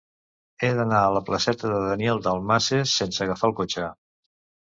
He d'anar a la placeta de Daniel Dalmases sense agafar el cotxe.